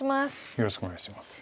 よろしくお願いします。